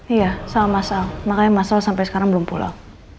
iya sama masalah makanya masalah sampai sekarang belum pulang